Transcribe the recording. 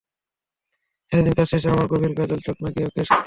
সারা দিন কাজের শেষে আমার গভীর কাজল চোখ নাকি ওকে শান্তি দিত।